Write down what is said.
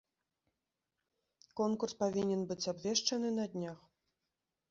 Конкурс павінен быць абвешчаны на днях.